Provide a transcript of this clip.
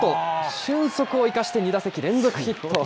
俊足を生かして２打席連続ヒット。